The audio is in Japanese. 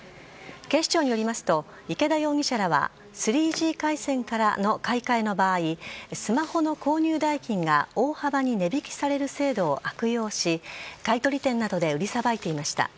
警視庁によりますと池田容疑者らは３Ｇ回線からの買い替えの場合スマホの購入代金が大幅に値引きされる制度を悪用し買取店などで売りさばいていました。